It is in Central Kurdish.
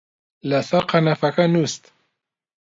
لەسەر قەنەفەکە نووست